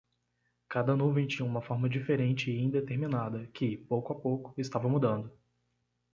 Cada nuvem tinha uma forma diferente e indeterminada que, pouco a pouco, estava mudando.